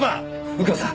右京さん！